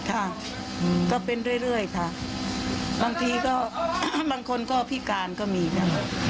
ค่ะก็เป็นเรื่อยค่ะบางทีก็บางคนก็พิการก็มีนะ